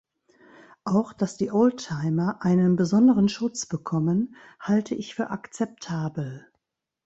Auch dass die Oldtimer einen besonderen Schutz bekommen, halte ich für akzeptabel.